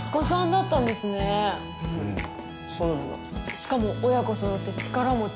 しかも親子そろって力持ち。